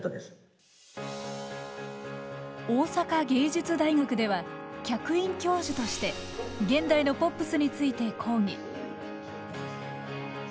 大阪芸術大学では客員教授として現代のポップスについて講義。